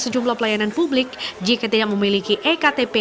sejumlah pelayanan publik jika tidak memiliki ektp